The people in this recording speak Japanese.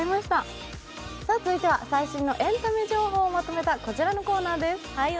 続いては最新のエンタメ情報をまとめたこちらのコーナーです。